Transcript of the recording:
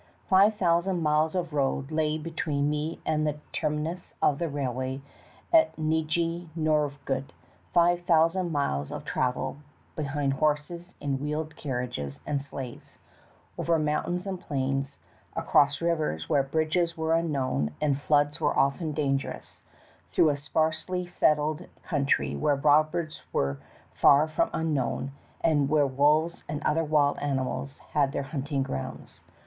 Five thousand miles of road lay between me and the terminus of the railway at Nijni Novgorod; five thousand miles of travel behind horses in wheeled carriages and sleighs, over mountains and plains, across rivers where bridges were unknown and floods were often dangerous, through a sparsely settled country where robbers were far from unknown, and where wolves and other wild animals had their hunting grounds.